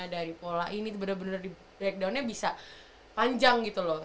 dari pola ini bener bener di breakdownnya bisa panjang gitu loh